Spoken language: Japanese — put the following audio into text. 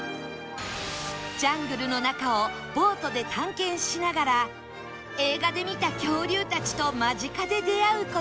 ジャングルの中をボートで探検しながら映画で見た恐竜たちと間近で出会う事ができ